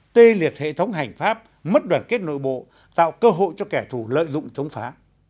tê liệt hệ thống hành pháp mất đoàn kết nội bộ tạo cơ hội cho kẻ thù lợi dụng chống phá